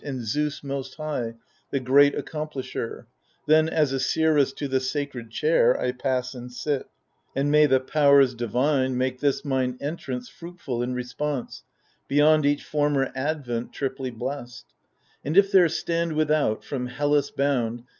And Zeus most high, the great Accomplisher. Then as a seeress to the sacred chair I pass and sit ; and may the powers divine Make this mine entrance fruitful in response Beyond each former advent, triply blest. And if there stand without, from Hellas bound.